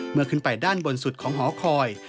เมื่อขึ้นไปด้านบนสุดของหอคอย